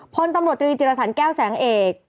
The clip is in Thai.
พลตำรวจตรีจิรสันแก้วแสงเอก